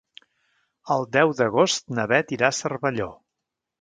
El deu d'agost na Bet irà a Cervelló.